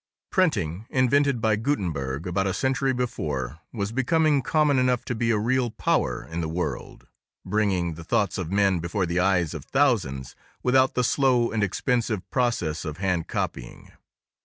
Printing, invented by Gutenberg, about a century before, was becoming common enough to be a real power in the world, bringing the thoughts of men before the eyes of thousands without the slow and expensive process of hand copying.